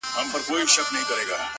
زه به يې ياد يم که نه-